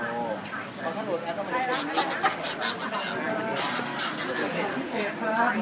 เอาแค่๒เตนเตนที่๓เดี๋ยวให้เขา